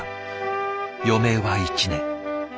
余命は１年。